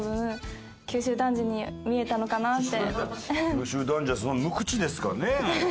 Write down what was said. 九州男児は無口ですかね？